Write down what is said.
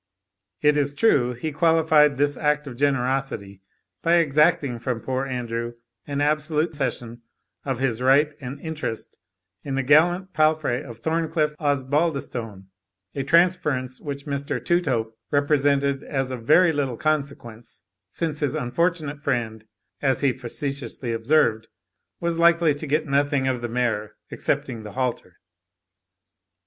It is true, he qualified this act of generosity by exacting from poor Andrew an absolute cession of his right and interest in the gallant palfrey of Thorncliff Osbaldistone a transference which Mr. Touthope represented as of very little consequence, since his unfortunate friend, as he facetiously observed, was likely to get nothing of the mare excepting the halter.